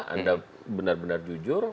anda benar benar jujur